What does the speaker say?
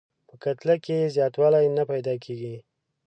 په کتله کې یې زیاتوالی نه پیدا کیږي.